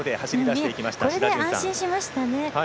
これで安心しましたね。